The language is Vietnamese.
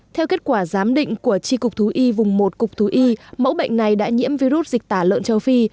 theo kết quả giám định của tri cục thú y vùng một cục thú y mẫu bệnh này đã nhiễm virus dịch tả lợn châu phi